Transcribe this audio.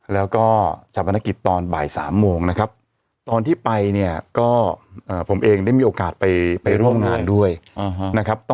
แล้วก็ชาปนกิจตอนบ่าย๓โมงนะครับตอนที่ไปเนี่ยก็ผมเองได้มีโอกาสไปร่วมงานด้วยนะครับ